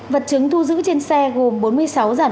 vật chứng thu giữ trên xe gồm bốn mươi sáu giản